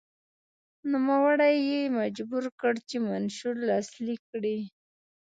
نوموړی یې مجبور کړ چې منشور لاسلیک کړي.